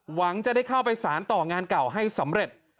หวังจะได้เข้าไปสารต่องานเก่าให้สำเร็จ